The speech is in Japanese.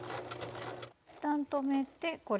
一旦止めてこれを。